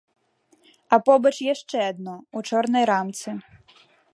А побач яшчэ адно, у чорнай рамцы.